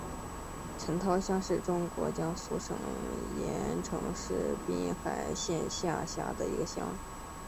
陈涛乡是中国江苏省盐城市滨海县下辖的一个乡。